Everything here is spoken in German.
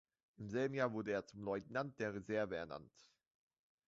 Im selben Jahr wurde er zum Leutnant der Reserve ernannt.